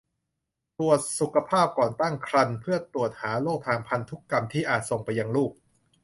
ตรวจสุขภาพก่อนตั้งครรภ์เพื่อตรวจหาโรคทางพันธุกรรมที่อาจส่งไปยังลูก